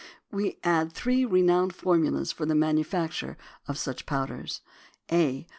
We add three renowned formulas for the manufacture of such powders. A.